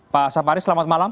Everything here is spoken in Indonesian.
pak saparis selamat malam